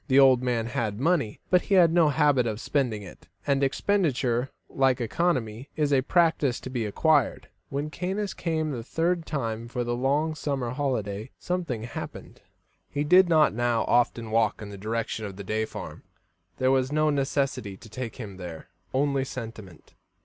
The old man had money, but he had no habit of spending it, and expenditure, like economy, is a practice to be acquired. When Caius came the third time for the long summer holiday, something happened. He did not now often walk in the direction of the Day farm; there was no necessity to take him there, only sentiment.